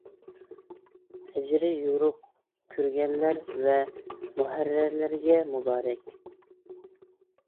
ئەجرى يورۇق كۆرگەنلەر ۋە مۇھەررىرلەرگە مۇبارەك!